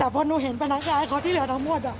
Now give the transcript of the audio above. แต่พอหนูเห็นพนักงานให้เขาที่เหลือทั้งหมด